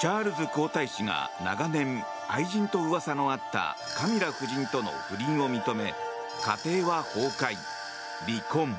チャールズ皇太子が長年愛人と噂のあったカミラ夫人との不倫を認め家庭は崩壊、離婚。